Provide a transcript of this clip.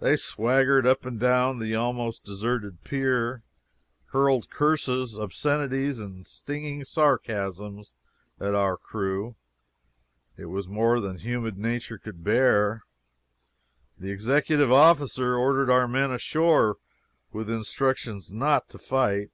They swaggered up and down the almost deserted pier, and hurled curses, obscenity, and stinging sarcasms at our crew. It was more than human nature could bear. The executive officer ordered our men ashore with instructions not to fight.